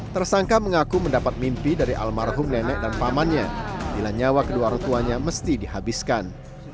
tersangka mengaku mendapat mimpi dari almarhum nenek dan pamannya bila nyawa kedua orang tuanya mesti dihabiskan